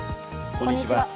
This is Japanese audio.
こんにちは。